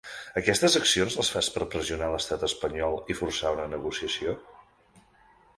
Aquestes accions les fas per pressionar l’estat espanyol i forçar una negociació?